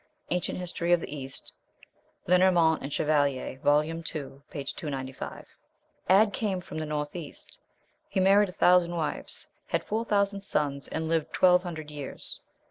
("Ancient History of the East," Lenormant and Chevallier, vol. ii., p. 295.), Ad came from the northeast. "He married a thousand wives, had four thousand sons, and lived twelve hundred years.